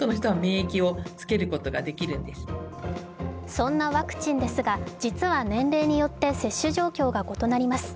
そんなワクチンですが、実は年齢によって接種状況が異なります。